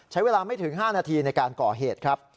ใช้เวลาไม่ถึง๕นาทีในการก่อเหตุครับ